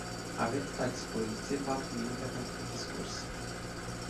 Aveți la dispoziție patru minute pentru discurs.